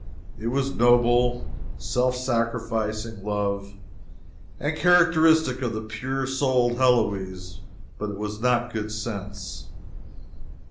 It was noble, self sacrificing love, and characteristic of the pure souled Heloise, but it was not good sense.